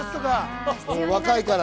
若いから。